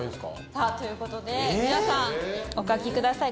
さあということで皆さんお書きください。